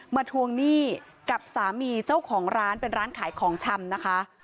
ทวงหนี้กับสามีเจ้าของร้านเป็นร้านขายของชำนะคะ